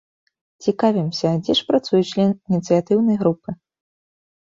Цікавімся, дзе ж працуе член ініцыятыўнай групы.